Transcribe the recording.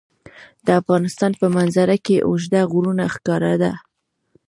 د افغانستان په منظره کې اوږده غرونه ښکاره ده.